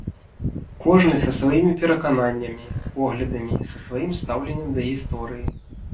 Кожны са сваімі перакананнямі, поглядамі, са сваім стаўленнем да гісторыі.